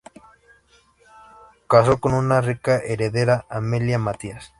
Casó con una rica heredera, Amelia Mathias.